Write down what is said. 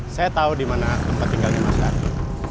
saya tahu di mana tempat tinggalnya mas argo